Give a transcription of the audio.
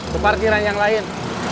seperti yang lain